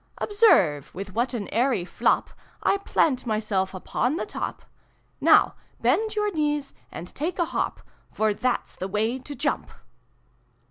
Observe with what an airy flop XXIIl] THE PIG TALE. 369 / plant myself upon the top ! Nozv bend your knees and take a hop, For that's the way to jump